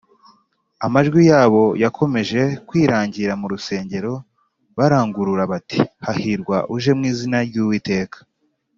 amajwi yabo yakomeje kwirangira mu rusengero barangurura bati: ‘hahirwa uje mu izina ry’uwiteka!’